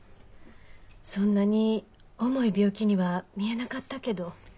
そんなに重い病気には見えなかったけど。